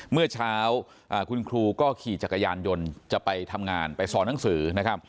เมื่อเช้าคุณครูก็ขี่จักรยานยนต์จะไปทำงานไปสอนหนังสือนะครับ